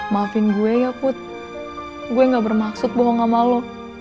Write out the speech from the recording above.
maafin gue ya put gue gak bermaksud bohong gak malu